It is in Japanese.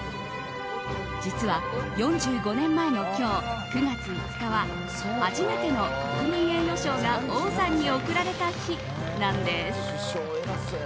実は、４５年前の今日９月５日は初めての国民栄誉賞が王さんに贈られた日なんです。